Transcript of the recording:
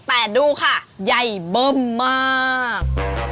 แต่ดูค่ะใหญ่เบิ้มมาก